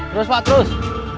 terus pak terus